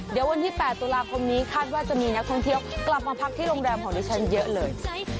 เดี๋ยววันที่๘ตุลาคมนี้คาดว่าจะมีนักท่องเที่ยวกลับมาพักที่โรงแรมของดิฉันเยอะเลย